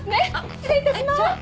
失礼いたします。